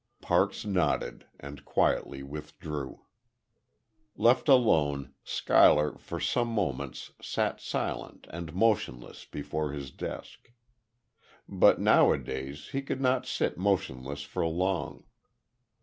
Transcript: Parks nodded, and quietly withdrew. Left alone, Schuyler for some moments sat silent and motionless before his desk. But nowadays, he could not sit motionless for long.